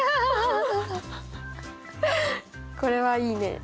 これはいいね。